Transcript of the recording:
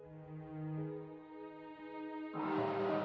boleh saya bantu